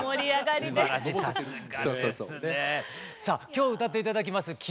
さあ今日歌っていただきます